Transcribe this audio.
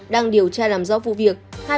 đang điều tra làm rõ vụ việc